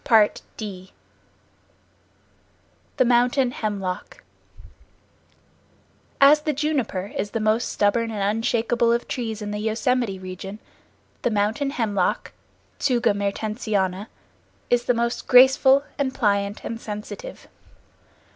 The Mountain Hemlock As the juniper is the most stubborn and unshakeable of trees in the Yosemite region, the Mountain Hemlock (Tsuga Mertensiana) is the most graceful and pliant and sensitive.